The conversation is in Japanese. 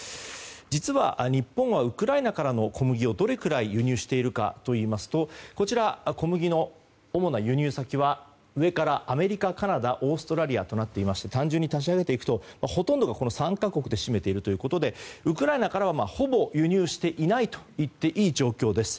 実は日本はウクライナからの小麦をどれぐらい輸入しているかといいますと小麦の主な輸入先は上からアメリカ、カナダオーストラリアとなっていまして単純に足すと、ほとんどがこの３か国で占めているということでウクライナからはほぼ輸入していないといっていい状況です。